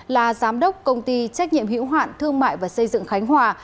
là giám đốc công ty trách nhiệm hiểu hoạn thương mại và xây dựng khánh hòa